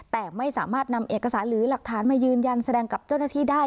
แต่ไม่สามารถนำเอกสารหรือหลักฐานมายืนยันแสดงกับเจ้าหน้าที่ได้